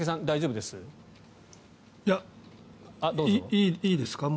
大丈夫です？